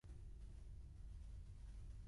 Em dic Naia Noval: ena, o, ve baixa, a, ela.